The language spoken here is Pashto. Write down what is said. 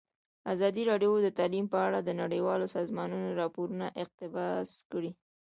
ازادي راډیو د تعلیم په اړه د نړیوالو سازمانونو راپورونه اقتباس کړي.